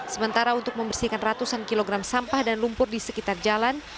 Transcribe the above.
sementara untuk membersihkan ratusan kilogram sampah dan lumpur di sekitar jalan